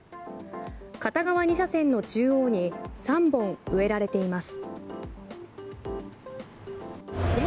片側２車線の中央に３本植えられています。